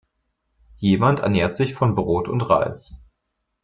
Jemand ernährt sich von Brot und Reis.